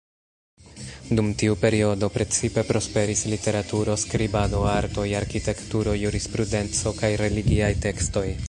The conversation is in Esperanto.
Dum tiu periodo precipe prosperis literaturo, skribado, artoj, arkitekturo, jurisprudenco kaj religiaj tekstoj.